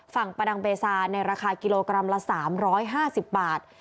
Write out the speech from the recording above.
ประดังเบซาในราคากิโลกรัมละ๓๕๐บาท